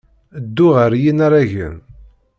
Ddu ɣer yinaragen.